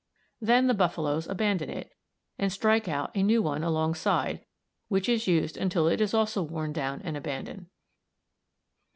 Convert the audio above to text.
Then the buffaloes abandon it and strike out a new one alongside, which is used until it also is worn down and abandoned.